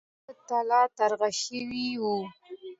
هر څه تالا ترغه شوي وو.